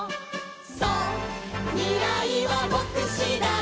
「そうみらいはぼくしだい」